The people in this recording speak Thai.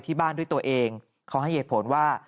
ด้วยตัวเองเขาให้เหตุผลว่า